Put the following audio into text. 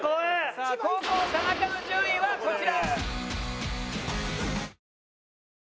さあ後攻田中の順位はこちら。